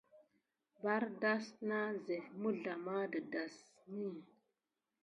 Bardaz na zef mizlama de dasmin.